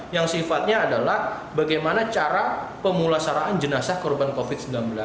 yang sifatnya adalah bagaimana cara pemulasaran jenazah korban covid sembilan belas